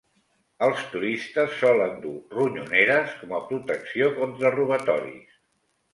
Els turistes solen dur ronyoneres com a protecció contra robatoris.